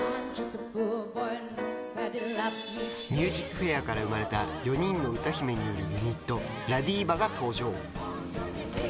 「ＭＵＳＩＣＦＡＩＲ」から生まれた４人の歌姫によるユニットＬＡＤＩＶＡが登場。